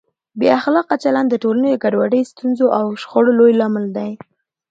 بې اخلاقه چلند د ټولنې ګډوډۍ، ستونزو او شخړو لوی لامل دی.